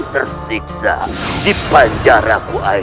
tersiksa di panjaraku ai